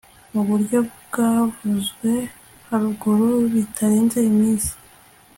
mu buryo bwavuzwe haruguru bitarenze iminsi